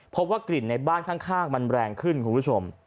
พบว่ากลิ่นในบ้านข้างมันแรงขึ้นคุณผู้ชม